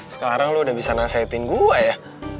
sekarang lo udah bisa nasihatin gue ya